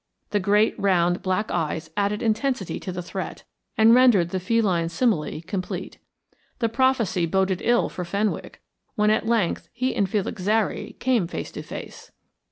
The great round black eyes added intensity to the threat, and rendered the feline simile complete. The prophecy boded ill for Fenwick when at length he and Felix Zary came face to face.